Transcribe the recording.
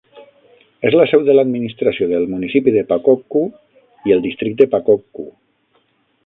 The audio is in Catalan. És la seu de l'administració del municipi de Pakokku i el districte Pakokku.